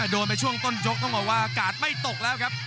โดนไปช่วงต้นยกต้องบอกว่ากาดไม่ตกแล้วครับ